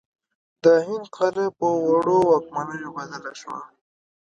د هند قاره په وړو واکمنیو بدله شوه.